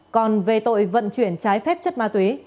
còn về tội vận chuyển trái phép chất ma túy